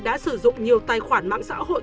đã sử dụng nhiều tài khoản mạng xã hội